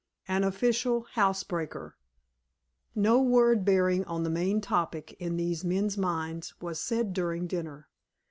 An Official Housebreaker No word bearing on the main topic in these men's minds was said during dinner.